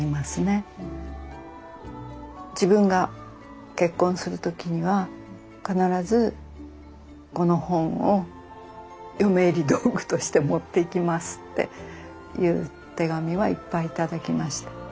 自分が結婚する時には必ずこの本を嫁入り道具として持っていきますっていう手紙はいっぱい頂きました。